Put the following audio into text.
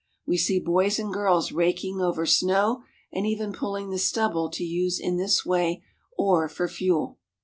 We see boys and girls raking over straw and even pulling the stubble to use in this way or for fuel.